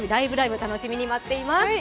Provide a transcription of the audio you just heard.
楽しみに待っています。